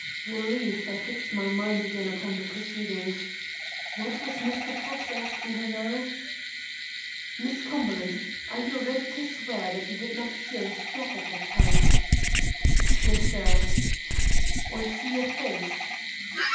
Relieved, I fixed my mind again upon the proceedings. What was Mr. Fox asking her now? "Miss Cumberland, are you ready to swear that you did not hear a step at that time?" "Yes, sir." "Or see a face?"